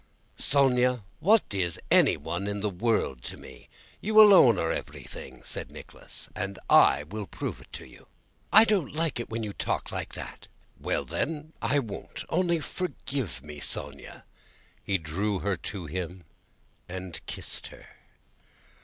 "Sónya! What is anyone in the world to me? You alone are everything!" said Nicholas. "And I will prove it to you." "I don't like you to talk like that." "Well, then, I won't; only forgive me, Sónya!" He drew her to him and kissed her.